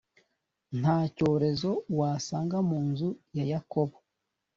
nta cyorezo wasanga mu nzu ya yakobo,.